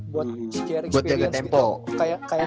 buat sejarah experience gitu